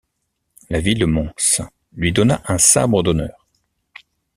La ville de Mons lui donna un sabre d'honneur.